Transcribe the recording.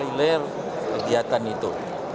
kami berhenti mencari kegiatan itu